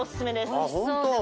おいしそうでも。